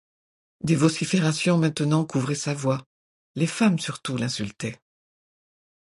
Des vociférations maintenant couvraient sa voix, les femmes surtout l'insultaient.